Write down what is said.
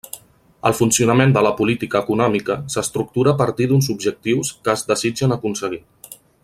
El funcionament de la política econòmica s'estructura a partir d'uns objectius que es desitgen aconseguir.